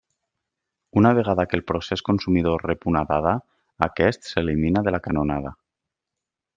Una vegada que el procés consumidor rep una dada, aquest s'elimina de la canonada.